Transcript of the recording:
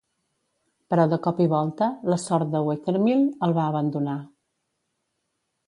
Però de cop i volta la sort de Wethermill el va abandonar.